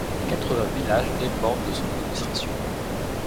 Quatre-vingts villages dépendent de son administration.